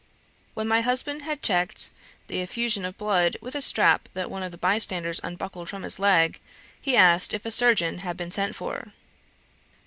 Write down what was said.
When my husband had checked the effusion of blood with a strap that one of the bystanders unbuckled from his leg, he asked if a surgeon had been sent for.